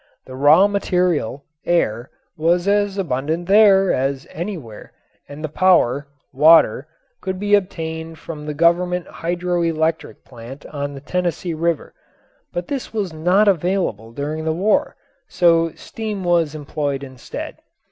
The raw material, air, was as abundant there as anywhere and the power, water, could be obtained from the Government hydro electric plant on the Tennessee River, but this was not available during the war, so steam was employed instead.